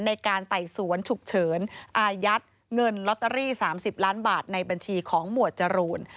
ไต่สวนฉุกเฉินอายัดเงินลอตเตอรี่๓๐ล้านบาทในบัญชีของหมวดจรูน